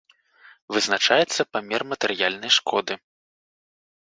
Вызначаецца памер матэрыяльнай шкоды.